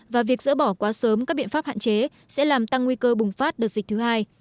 và việc dỡ bỏ quá sớm các biện pháp hạn chế sẽ làm tăng nguy cơ bùng phát đợt dịch thứ hai